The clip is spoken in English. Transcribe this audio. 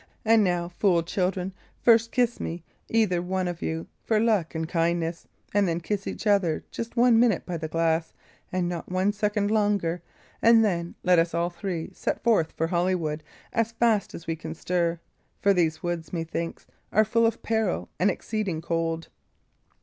And now, fool children, first kiss me, either one of you, for luck and kindness; and then kiss each other just one minute by the glass, and not one second longer; and then let us all three set forth for Holywood as fast as we can stir; for these woods, methinks, are full of peril and exceeding cold."